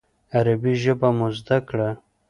عربي ژبه مو زده کړه.